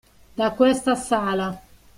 Da questa sala.